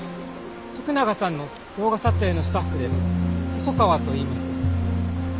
徳永さんの動画撮影のスタッフで細川といいます。